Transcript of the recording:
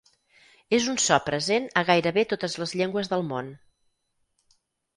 És un so present a gairebé totes les llengües del món.